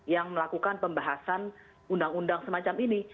yang melakukan pembahasan undang undang semacam ini